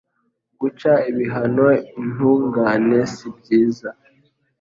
Guca ibihano intungane si byiza